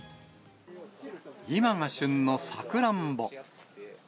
今が旬のサクランボ。